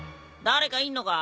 誰かいんのか？